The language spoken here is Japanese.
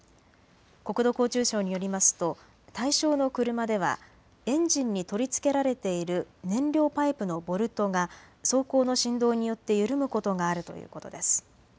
国土交通省によりますと対象の車ではエンジンに取り付けられている燃料パイプのボルトが走行の振動によって緩むことがあるということです。